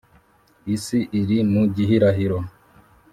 isi iri mu gihirahiro.